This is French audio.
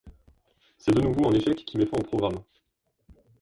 C'est de nouveau un échec qui met fin au programme.